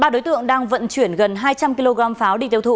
ba đối tượng đang vận chuyển gần hai trăm linh kg pháo đi tiêu thụ